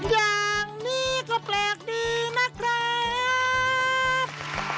อย่างนี้ก็แปลกดีนะครับ